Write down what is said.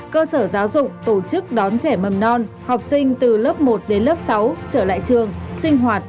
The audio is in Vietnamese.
sở giáo dục đào tạo tp hcm